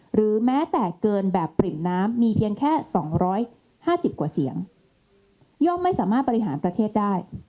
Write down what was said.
หรือแม้แต่เกินแบบปริ่มน้ำมีเพียงแค่๒๕๐กว่าเสียงย่อมไม่สามารถบริหารประเทศได้